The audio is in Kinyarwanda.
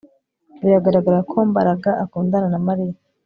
Biragaragara ko Mbaraga akundana na Mariya